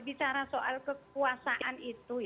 bicara soal kekuasaan itu